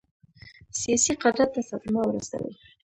سیاسي قدرت ته صدمه ورسوي.